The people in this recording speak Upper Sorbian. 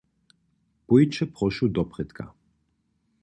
Pójće prošu doprědka.